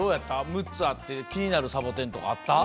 むっつあってきになるサボテンとかあった？